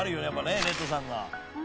やっぱねレッドさんが。